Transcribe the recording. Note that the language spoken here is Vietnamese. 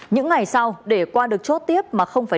những ngày sau để qua được chốt tiếp mà không phải